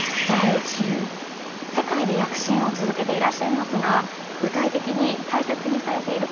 世界で躍進を続けていらっしゃいますが具体的に大切にされていることを教えてください。